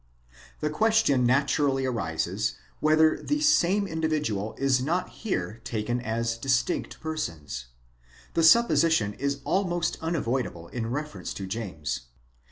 'The question naturally arises, whether the same individual is not here taken as distinct persons? The suspicion is almost unavoidable in refer ence to James.